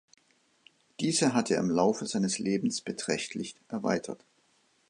Diese hat er im Laufe seines Lebens beträchtlich erweitert.